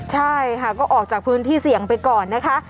ใช่ค่ะก็ออกจากพื้นที่เสี่ยงไปก่อนนะคะ